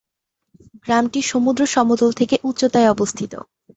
গ্রামটি সমুদ্র সমতল থেকে উচ্চতায় অবস্থিত।